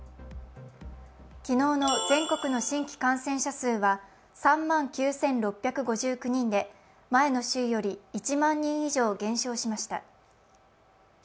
昨日の全国の新規感染者数は３万９６５９人で前の週より１万人以上減少しました。